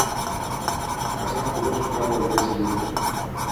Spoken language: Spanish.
Hassan juró su cargo al día siguiente.